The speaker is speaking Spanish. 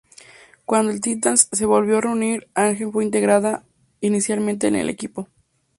Cuando el Titans se volvió a reunir, Argent fue integrada inicialmente en el equipo.